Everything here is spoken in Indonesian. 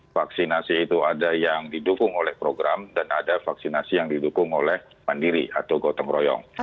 vaksinasi itu ada yang didukung oleh program dan ada vaksinasi yang didukung oleh mandiri atau gotong royong